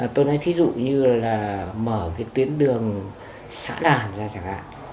tôi nói ví dụ như là mở cái tuyến đường xã đàn ra chẳng hạn